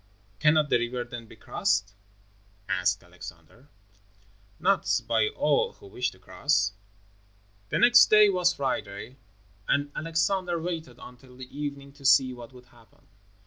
"Cannot the river then be crossed?" asked Alexander. "Not by all who wish to cross." The next day was Friday, and Alexander waited until the evening to see what would happen.